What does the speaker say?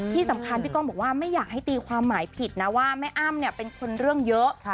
ที่สำคัญพี่ก้องบอกว่าไม่อยากให้ตีความหมายผิดนะว่าแม่อ้ำเนี่ยเป็นคนเรื่องเยอะ